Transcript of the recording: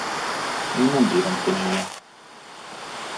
Én nem bírom ki nála!